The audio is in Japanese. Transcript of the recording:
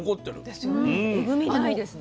うんえぐみないですね。